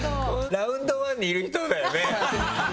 ラウンドワンにいる人だよね。